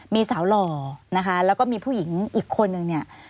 มีสาวหล่อนะคะแล้วก็มีผู้หญิงอีกคนนึงเนี่ย